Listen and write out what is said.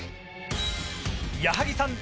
矢作さん